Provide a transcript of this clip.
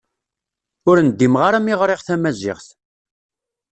Ur ndimeɣ ara mi ɣriɣ tamaziɣt.